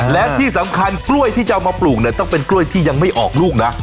และที่สำคัญกล้วยที่จะเอามาปลูกเนี่ยต้องเป็นกล้วยที่ยังไม่ออกลูกนะ